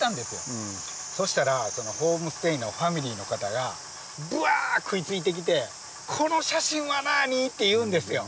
そしたらホームステイのファミリーの方がぶわっ食いついてきて「この写真は何？」って言うんですよ。